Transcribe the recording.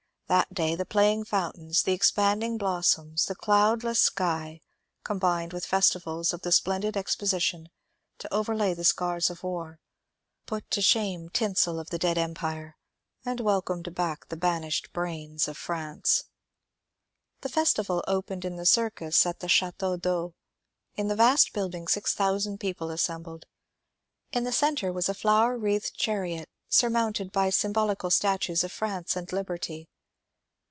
That day the playing fountains, the expanding blossoms, the cloudless sky. THE CENTENARY OF VOLTAIRE 277 combined with festivals of the splendid Exposition to overlay the scars of war, put to shame tinsel of the dead empire, and welcome back the banished brains of France. The festival opened in the circus at the Chateau d'Eau. In the vast building six thousand people assembled. In the centre was a flower wreathed chariot surmounted by symbol ical statues of France and Liberty.